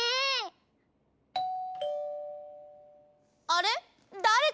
あれ？